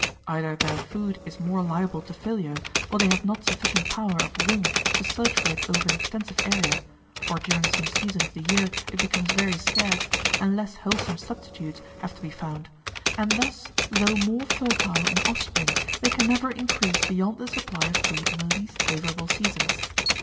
Either their food is more liable to failure, or they have not sufficient power of wing to search for it over an extensive area, or during some season of the year it becomes very scarce, and less wholesome substitutes have to be found; and thus, though more fertile in offspring, they can never increase beyond the supply of food in the least favourable seasons.